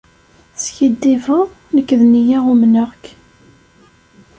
Teskiddibeḍ, nekk d nniya umneɣ-k.